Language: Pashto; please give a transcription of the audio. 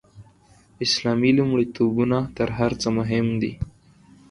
اسلامي لومړیتوبونه تر هر څه مهم دي.